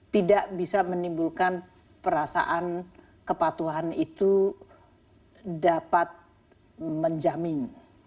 tidak bisa menimbulkan perasaan kepatuhan itu dapat menjamin